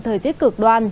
thời tiết cực đoan